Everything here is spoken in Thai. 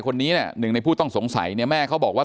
คนนี้เนี่ยหนึ่งในผู้ต้องสงสัยเนี่ยแม่เขาบอกว่า